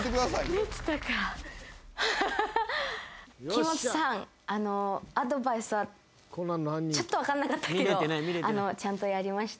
木本さんアドバイスはちょっと分かんなかったけどちゃんとやりました。